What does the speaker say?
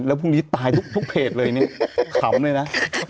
แล้วพรุ่งนี้ตายทุกเพจเลยเนี่ยขำเลยนะ